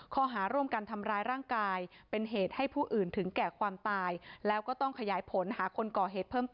ข้อหาร่วมกันทำร้ายร่างกายเป็นเหตุให้ผู้อื่นถึงแก่ความตายแล้วก็ต้องขยายผลหาคนก่อเหตุเพิ่มเติม